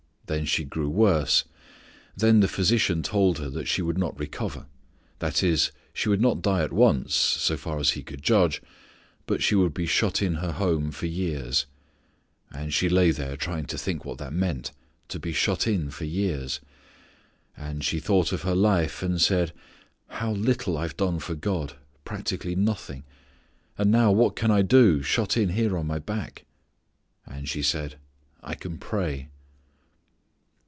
Then she grew worse. Then the physician told her that she would not recover. That is, she would not die at once, so far as he could judge, but she would be shut in her home for years. And she lay there trying to think what that meant: to be shut in for years. And she thought of her life, and said, "How little I've done for God: practically nothing: and now what can I do shut in here on my back." And she said, "I can pray."